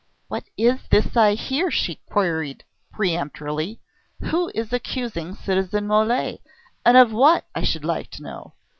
"What is this I hear?" she queried peremptorily. "Who is accusing citizen Mole? And of what, I should like to know?